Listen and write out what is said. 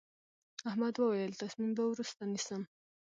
احمد وويل: تصمیم به وروسته نیسم.